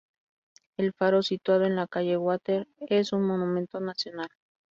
El faro, situado en la calle Water, es un monumento nacional.